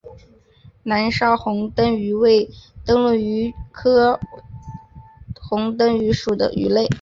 南沙虹灯鱼为灯笼鱼科虹灯鱼属的鱼类。